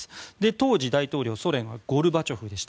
当時、大統領ソ連はゴルバチョフでした。